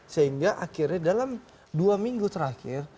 sehingga akhirnya dalam dua minggu terakhir